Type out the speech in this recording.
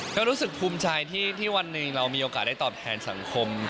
ก็รู้สึกภูมิใจที่วันหนึ่งเรามีโอกาสได้ตอบแทนสังคม